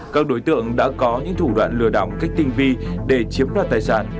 các đối tượng đã có những thủ đoạn lừa đảo một cách tinh vi để chiếm đoạt tài sản